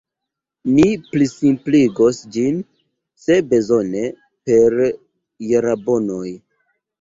Ni plisimpligos ĝin, se bezone, per jarabonoj.